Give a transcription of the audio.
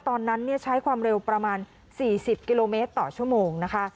ตอนนั้นใช้ความเร็วประมาณ๔๐กิโลเมตรต่อชั่วโมงนะคะ